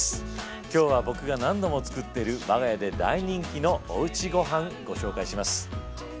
今日は僕が何度も作っている我が家で大人気の「おうちごはん」ご紹介します。